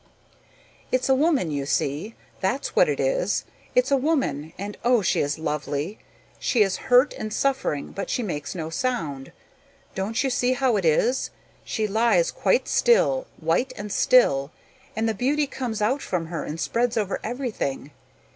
"It's a woman you see, that's what it is! It's a woman and, oh, she is lovely! She is hurt and is suffering but she makes no sound. Don't you see how it is? She lies quite still, white and still, and the beauty comes out from her and spreads over everything.